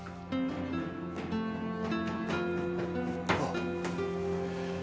あっ！